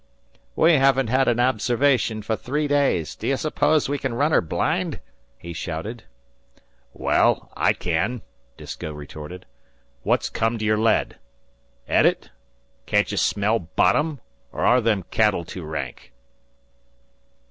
"We haven't had an observation for three days. D'you suppose we can run her blind?" he shouted. "Wa al, I can," Disko retorted. "What's come to your lead? Et it? Can't ye smell bottom, or are them cattle too rank?"